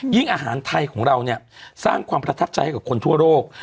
อาหารไทยของเราเนี่ยสร้างความประทับใจให้กับคนทั่วโลก